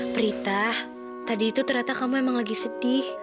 prita tadi itu ternyata kamu emang lagi sedih